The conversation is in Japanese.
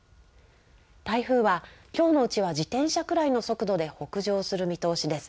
台風はきょうのうちは自転車くらいの速度で北上する見通しです。